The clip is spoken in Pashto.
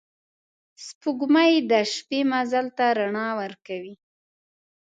سپوږمۍ د شپې مزل ته رڼا ورکوي